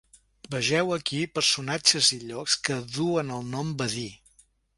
Vegeu aquí personatges i llocs que duen el nom Badí.